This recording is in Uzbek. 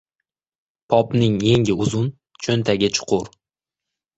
• Popning yengi uzun, cho‘ntagi chuqur.